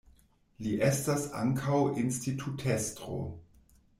Li estas ankaŭ institutestro.